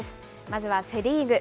まずはセ・リーグ。